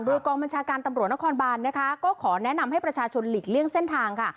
โดยกองบัญชาการตำรวจนครบานนะคะก็ขอแนะนำให้ประชาชนหลีกเลี่ยงเส้นทางค่ะ